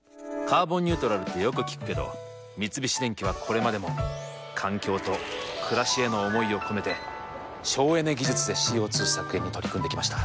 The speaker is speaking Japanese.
「カーボンニュートラル」ってよく聞くけど三菱電機はこれまでも環境と暮らしへの思いを込めて省エネ技術でＣＯ２削減に取り組んできました。